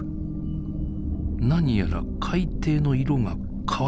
何やら海底の色が変わってきました。